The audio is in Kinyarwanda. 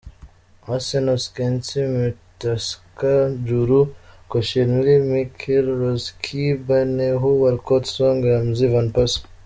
Arsenal: Szczesny, Mertesacker, Djourou, Koscielny, Miquel, Rosicky, Benayoun, Walcott, Song, Ramsey, Van Persie.